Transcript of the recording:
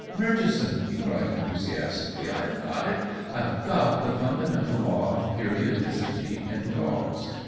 Murchison," he cried enthusiastically, "I've got it! I've got the fundamental law of periodicity in dogs!